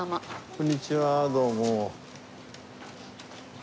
こんにちはどうも。